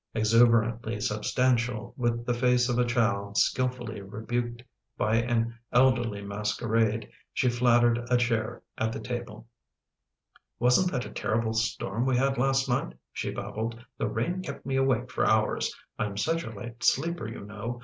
Exuberantly substantial, with the face of a child skillfully rebuked by an elderly masquerade, she flattered a chair at the table. " Wasn't that a terrible storm we had last night," she babbled. " The rain kept me awake for hours — I'm such a light sleeper, you know.